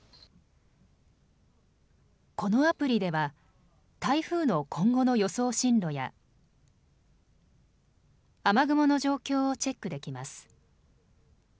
このアプリでは台風の今後の予想進路や雨雲の状況をチェックできます。